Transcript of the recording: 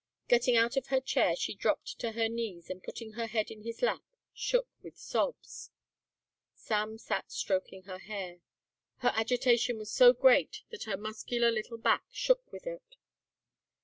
Getting out of her chair she dropped to her knees and putting her head in his lap, shook with sobs. Sam sat stroking her hair. Her agitation was so great that her muscular little back shook with it.